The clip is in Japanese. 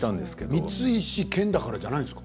光石研だからじゃないんですか。